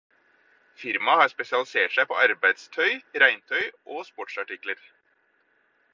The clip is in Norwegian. Firmaet har spesialisert seg på arbeidstøy, regntøy og sportsartikler.